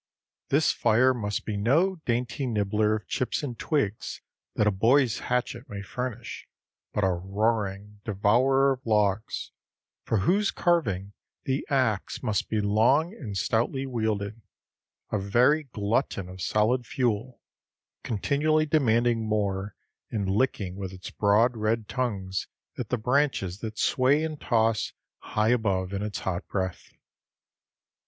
This fire must be no dainty nibbler of chips and twigs that a boy's hatchet may furnish, but a roaring devourer of logs, for whose carving the axe must be long and stoutly wielded a very glutton of solid fuel, continually demanding more and licking with its broad red tongues at the branches that sway and toss high above in its hot breath.